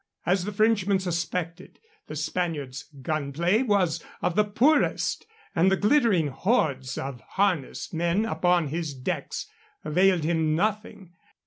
As the Frenchman suspected, the Spaniards' gun play was of the poorest, and the glittering hordes of harnessed men upon his decks availed him nothing.